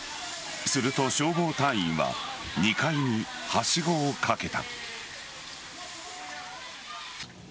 すると消防隊員は２階にはしごをかけた。